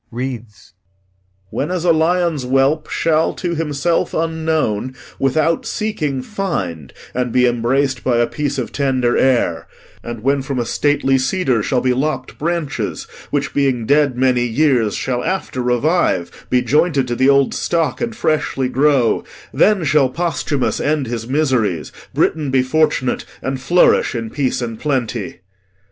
[Reads] 'When as a lion's whelp shall, to himself unknown, without seeking find, and be embrac'd by a piece of tender air; and when from a stately cedar shall be lopp'd branches which, being dead many years, shall after revive, be jointed to the old stock, and freshly grow; then shall Posthumus end his miseries, Britain be fortunate and flourish in peace and plenty.'